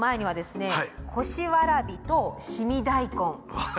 干しわらびと凍み大根